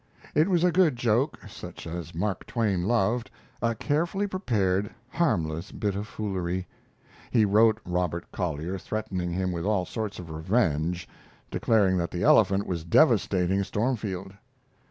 It was a good joke, such as Mark Twain loved a carefully prepared, harmless bit of foolery. He wrote Robert Collier, threatening him with all sorts of revenge, declaring that the elephant was devastating Stormfield.